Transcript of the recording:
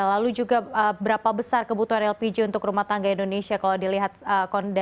lalu juga berapa besar kebutuhan lpg untuk rumah tangga indonesia kalau dilihat kondisinya